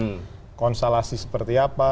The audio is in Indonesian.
menyelenggarakan konsulasi seperti apa